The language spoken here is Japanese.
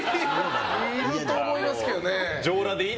いると思いますけどね。